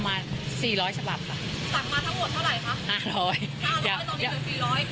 สั่งมาทั้งหมดเท่าไรคะห้าร้อยตอนนี้เหลือสี่ร้อย